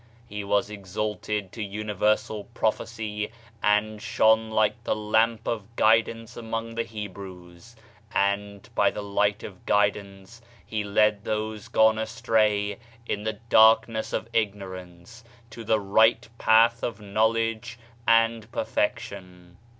He was exalted to universal prophecy, and shone like the lamp of guidance among the Hebrews; and by the light of guidance he led those gone astray in the darkness of ignor ance to the right path of knowledge and perfec tion.